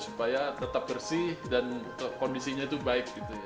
supaya tetap bersih dan kondisinya itu baik